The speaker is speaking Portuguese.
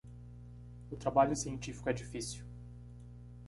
O trabalho científico é difícil.